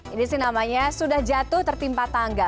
ini sih namanya sudah jatuh tertimpa tangga